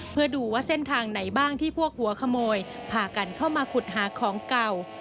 เพื่อดูว่าเส้นทางไหนบ้างที่พวกหัวขโมยพากันเข้ามาขุดหาของเก่า